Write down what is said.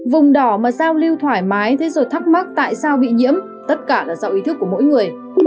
vùng đỏ mà giao lưu thoải mái thế rồi thắc mắc tại sao bị nhiễm tất cả là do ý thức của mỗi người